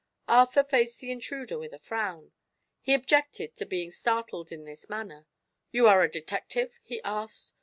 '" Arthur faced the intruder with a frown. He objected to being startled in this manner. "You are a detective?" he asked.